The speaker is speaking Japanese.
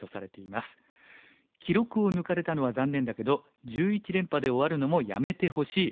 「記録を抜かれたのは残念だけど１１連覇で終わるのもやめてほしい。